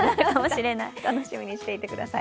楽しみにしていてください。